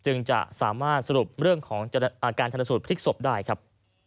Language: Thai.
จึงจะสามารถสรุปเรื่องของการชนสูตรพลิกศพได้ครับ